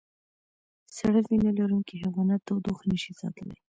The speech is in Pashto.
سړه وینه لرونکي حیوانات تودوخه نشي ساتلی